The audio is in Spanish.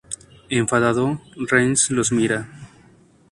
Enfadado, Rance los mira.